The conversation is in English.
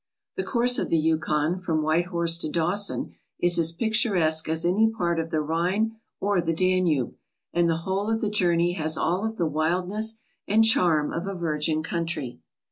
The course of the Yukon from White Horse to Dawson is as picturesque as any part of the Rhine or the Danube, and the whole of the journey has all of the wildness and charm of a virgin country.